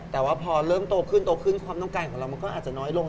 แต่ว่าพอเริ่มโตขึ้นโตขึ้นความต้องการของเรามันก็อาจจะน้อยลง